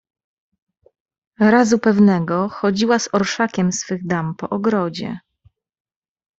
"Razu pewnego chodziła z orszakiem swych dam po ogrodzie."